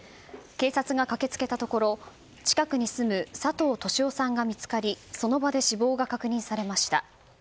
警察が駆け付けたところ近くに住む佐藤敏雄さんが見つかりその場で死亡が確認されました。